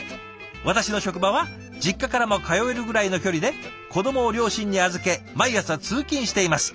私の職場は実家からも通えるぐらいの距離で子どもを両親に預け毎朝通勤しています。